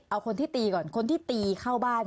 เอาคนที่ตีก่อนคนที่ตีเข้าบ้าน